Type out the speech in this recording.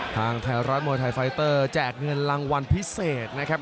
ทางไทยรัฐมวยไทยไฟเตอร์แจกเงินรางวัลพิเศษนะครับ